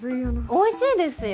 おいしいですよ！